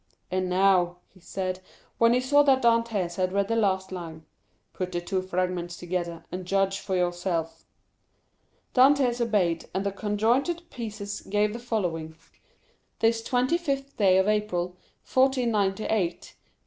"And now," he said, when he saw that Dantès had read the last line, "put the two fragments together, and judge for yourself." Dantès obeyed, and the conjointed pieces gave the following: 0245m "This 25th day of April, 1498, be...